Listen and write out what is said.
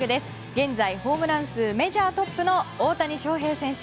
現在ホームラン数メジャートップの大谷翔平選手。